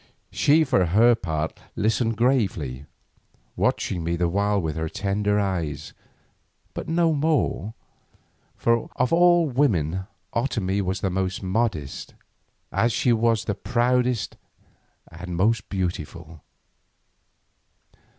She for her part listened gravely, watching me the while with her tender eyes, but no more, for of all women Otomie was the most modest, as she was the proudest and most beautiful.